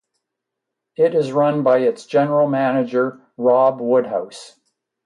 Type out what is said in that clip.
It is run by its general manager Rob Woodhouse.